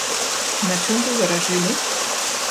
На чым вы варажылі?